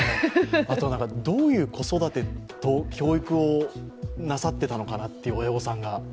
どういう子育てと教育をなさっていたのかなと、親御さんが。